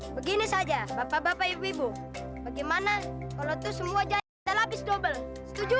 begini saja bapak bapak ibu ibu bagaimana kalau itu semua jadi kita lapis double setuju